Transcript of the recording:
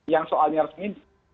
yang soalnya resmi